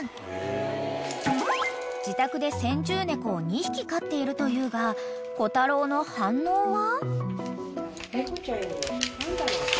［自宅で先住猫を２匹飼っているというがコタロウの反応は？］